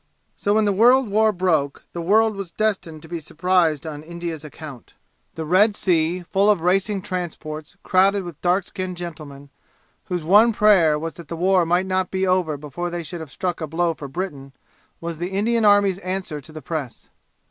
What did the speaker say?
So when the world war broke the world was destined to be surprised on India's account. The Red Sea, full of racing transports crowded with dark skinned gentlemen, whose one prayer was that the war might not be over before they should have struck a blow for Britain, was the Indian army's answer to the press.